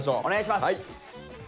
お願いします。